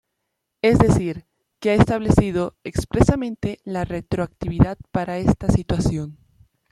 Es decir que ha establecido, expresamente, la retroactividad para esta situación.